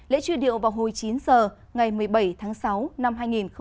lễ truyền điệu vào hồi chín h ngày một mươi bảy tháng sáu năm hai nghìn hai mươi